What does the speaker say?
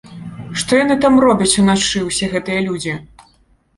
Што яны там робяць уначы, усе гэтыя людзі?!